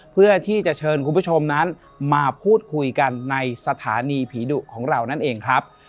เพื่อที่จะเชิญคุณผู้ชมนั้นมาพูดคุยกันในสถานีผีดุของเรานั่นเองครับ